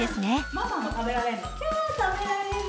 ママも食べられるの？